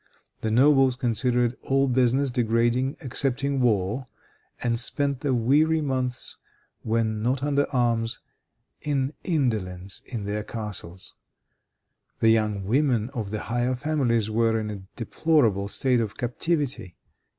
The nobles considered all business degrading excepting war, and spent the weary months, when not under arms, in indolence in their castles. The young women of the higher families were in a deplorable state of captivity.